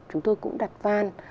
chúng tôi cũng đặt van